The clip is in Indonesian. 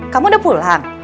kamu udah pulang